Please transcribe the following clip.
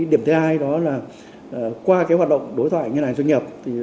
điểm thứ hai đó là qua hoạt động đối thoại ngân hàng trung ương